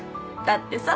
だってさ。